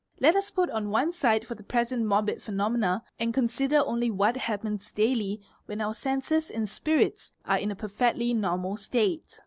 Let us put on one side for the present morbid phenomena and consider only what happens daily when our senses and spirits are in a perfectly normal state®.